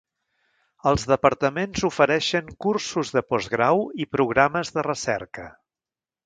Els departaments ofereixen cursos de postgrau i programes de recerca.